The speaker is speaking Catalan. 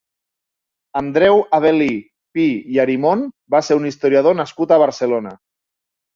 Andreu Avel·lí Pi i Arimon va ser un historiador nascut a Barcelona.